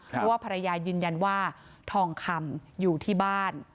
เพราะว่าภรรยายืนยันว่าทองคำอยู่ที่บ้าน